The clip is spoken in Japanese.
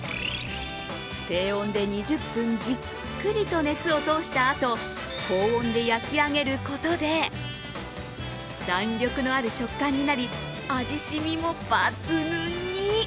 低温で２０分じっくりと熱を通したあと、保温で焼き上げることで弾力のある食感になり、味しみも抜群に。